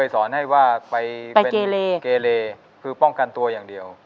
สอนให้ว่าไปเป็นเกเลคือป้องกันตัวอย่างเดียว